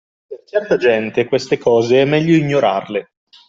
Per certa gente queste cose è meglio ignorarle.